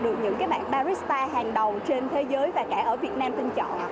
được những cái bạn barista hàng đầu trên thế giới và cả ở việt nam tinh trọ